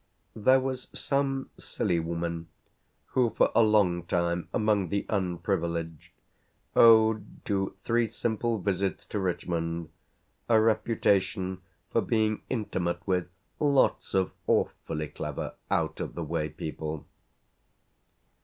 There was some silly woman who for a long time, among the unprivileged, owed to three simple visits to Richmond a reputation for being intimate with "lots of awfully clever out of the way people."